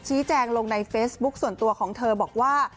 แจ้งลงในเฟซบุ๊คส่วนตัวของเธอบอกว่า